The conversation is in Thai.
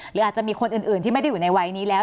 หรืออาจจะมีคนอื่นที่ไม่ได้อยู่ในวัยนี้แล้ว